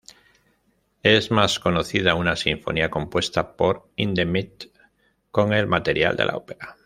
Es más conocida una sinfonía compuesta por Hindemith con el material de la ópera.